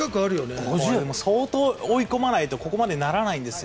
相当追い込まないとここまでならないんですよ。